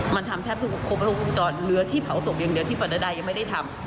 มันทำแทบทุกครบทุกวงจรเหลือที่เผาศพอย่างเดียวที่ปรดายังไม่ได้ทำ